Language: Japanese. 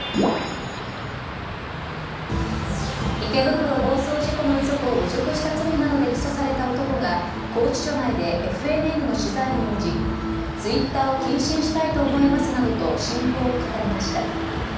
池袋暴走事故の遺族を侮辱した罪などで起訴された男が拘置所内でＦＮＮの取材に応じツイッターを謹慎したいと思いますなどと心境を語りました。